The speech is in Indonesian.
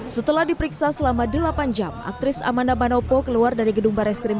setelah diperiksa selama delapan jam aktris amanda banopo keluar dari gedung barreskrim